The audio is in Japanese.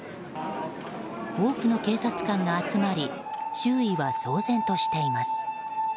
多くの警察官が集まり周囲は騒然としています。